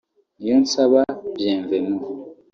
Niyonsaba Bienvenu